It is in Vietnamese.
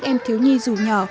do các em thiếu nhi dù nhỏ